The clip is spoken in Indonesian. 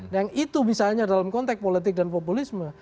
yang itu misalnya dalam konteks politik dan populisme